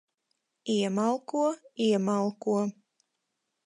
Iemalko. Iemalko.